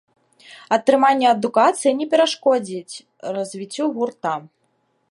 Атрыманне адукацыі не перашкодзіць развіццю гурта.